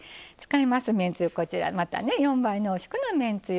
使いますめんつゆまた４倍濃縮のめんつゆ。